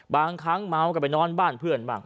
บางครั้งเมาก็ไปนอนบ้านเพื่อนบ้าง